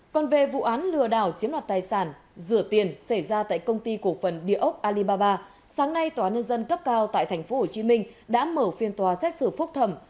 còn về vụ án lừa đảo chiếm đoạt tài sản rửa tiền xảy ra tại công ty cổ phần địa ốc alibaba sáng nay tòa nhân dân cấp cao tại tp hcm đã mở phiên tòa xét xử phúc thẩm